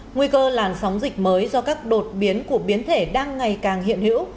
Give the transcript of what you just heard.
nguy cơ làn sóng dịch mới do các đột biến của biến thể đang ngày càng hiện hữu